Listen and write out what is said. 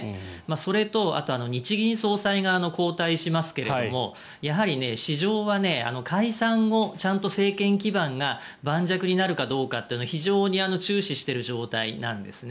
それと日銀総裁が交代しますけどやはり、市場は解散後ちゃんと政権基盤が盤石になるかどうかというのは非常に注視している状態なんですね。